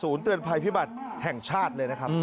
เตือนภัยพิบัติแห่งชาติเลยนะครับ